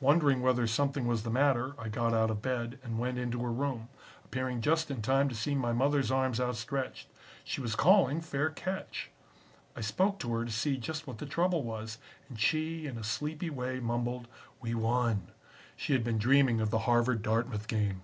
Wondering whether something was the matter, I got out of bed and went into her room, appearing just in time to see my mothers arms outstretched. She was calling 'Fair catch.' I spoke to her to see just what the trouble was, and she, in a sleepy way, mumbled, 'We won.' She had been dreaming of the Harvard Dartmouth game.